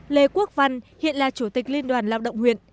lê quốc văn hiện là chủ tịch liên đoàn lao động huyện